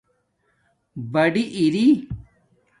بڑاری